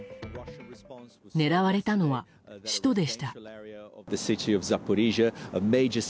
狙われたのは首都でした。